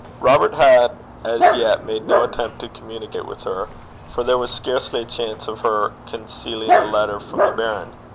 Robert had as yet made no attempt to communicate with her, for there was scarcely a chance of her concealing a letter from the baron.